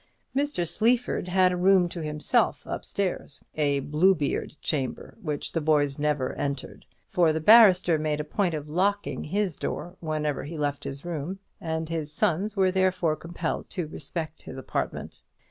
Mr. Sleaford had a room to himself up stairs a Bluebeard chamber, which the boys never entered; for the barrister made a point of locking his door whenever he left his room, and his sons were therefore compelled to respect his apartment.